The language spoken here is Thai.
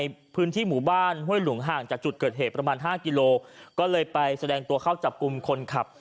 ในพื้นที่หมู่บ้านห้วยหลวงห่างจากจุดเกิดเหตุประมาณห้ากิโลก็เลยไปแสดงตัวเข้าจับกลุ่มคนขับ